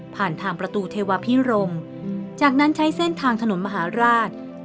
ผ่านทางประตูเทวพิรมจากนั้นใช้เส้นทางถนนมหาราช